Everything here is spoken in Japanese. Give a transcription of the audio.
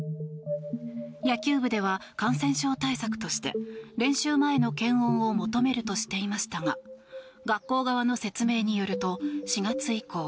野球部では、感染症対策として練習前の検温を求めるとしていましたが学校側の説明によると４月以降